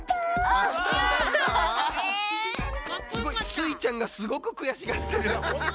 スイちゃんがすごくくやしがってる。